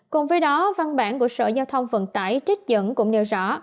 cùng với đó văn bản của sở giao thông vận tải trích dẫn cũng nêu rõ